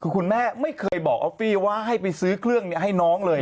คือคุณแม่ไม่เคยบอกออฟฟี่ว่าให้ไปซื้อเครื่องนี้ให้น้องเลย